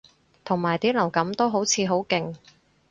同埋啲流感都好似好勁